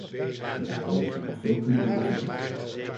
En daarover zou nog veel kunnen worden gezegd.